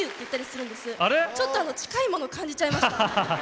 ちょっと近いものを感じちゃいました。